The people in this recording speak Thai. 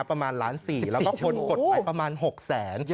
ประมาณล้าน๔แล้วก็คนกดไปประมาณ๖แสน